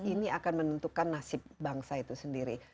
ini akan menentukan nasib bangsa itu sendiri